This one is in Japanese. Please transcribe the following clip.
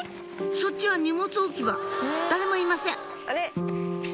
そっちは荷物置き場誰もいません